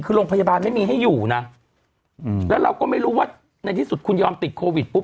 คือโรงพยาบาลไม่มีให้อยู่นะแล้วเราก็ไม่รู้ว่าในที่สุดคุณยอมติดโควิดปุ๊